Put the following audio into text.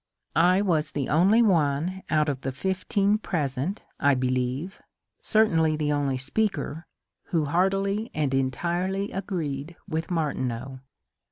I was the only one out of the fifteen present, I believe, — certainly the only speaker, — who heartily and entirely agreed with Martineau.